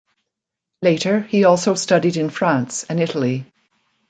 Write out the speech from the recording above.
Later he also studied in France and Italy.